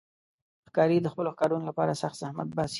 ښکاري د خپلو ښکارونو لپاره سخت زحمت باسي.